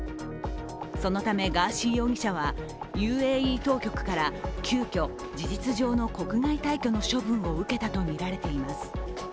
そのため、ガーシー容疑者は、ＵＡＥ当局から急きょ、事実上の国外退去の処分を受けたとみられています。